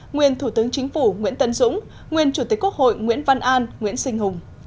nguyên thủ tướng chính phủ nguyễn tân dũng nguyên chủ tịch quốc hội nguyễn văn an nguyễn sinh hùng